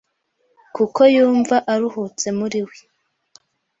Kuko yumva aruhutse muri we